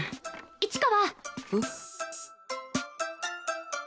市川